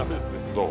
どう？